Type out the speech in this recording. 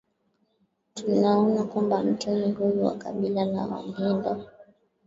Tunaona kwamba mtemi huyu wa kabila la Wangindo